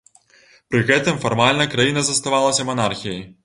Пры гэтым фармальна краіна заставалася манархіяй.